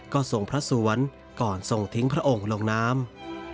ก็ส่งพระสวนก่อนส่งทิ้งพระองค์ลงน้ำ